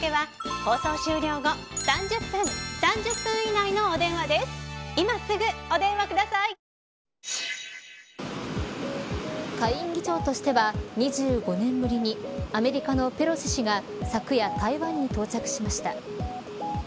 下院議長としては２５年ぶりにアメリカのペロシ氏が昨夜、台湾に到着しました。